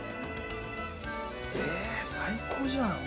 え最高じゃん。